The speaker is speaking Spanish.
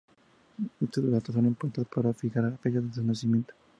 Estos datos son importantes para fijar la fecha de su nacimiento.